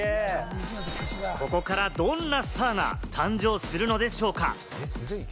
ここからどんなスターが誕生するのでしょうか？